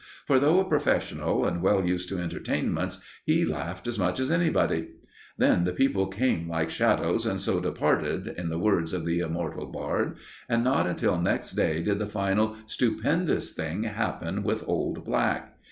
For though a professional, and well used to entertainments, he laughed as much as anybody. Then the people "came like shadows and so departed," in the words of the immortal Bard; and not until next day did the final stupendous thing happen with old Black.